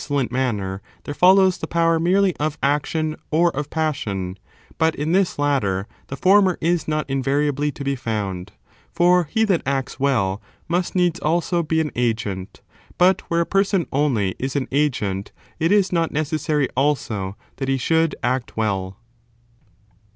[bOOK VIIL iaToWed in the manner there follows the power merely of action JJ^^"' or of passion : but in tins latter the former is not invariably to be found ; for he that acts well must needs also be an agent, but where a person only is an agent it is not necessary, also, that he should act well.